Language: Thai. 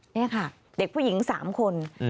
นี่ค่ะเด็กผู้หญิง๓คน